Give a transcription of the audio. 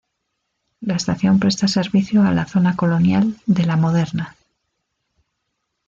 La estación presta servicio a la zona colonial de "La Moderna".